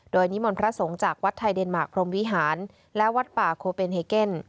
โดยนิมนต์พระสงฆ์จากวัดไทยเดนมาร์คพรมวิหารและวัดป่าโคเปนเฮเกน